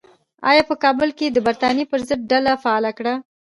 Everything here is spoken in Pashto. او په کابل کې یې د برټانیې پر ضد ډله فعاله کړه.